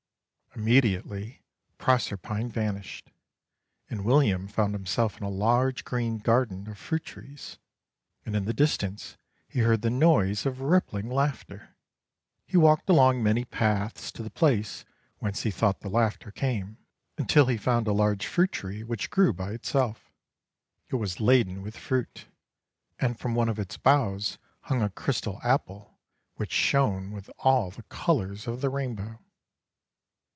Immediately Proserpine vanished, and William found himself in a large green garden of fruit trees, and in the distance he heard the noise of rippling laughter. He walked along many paths to the place whence he thought the laughter came, until he found a large fruit tree which grew by itself. It was laden with fruit, and from one of its boughs hung a crystal apple which shone with all the colours of the rainbow.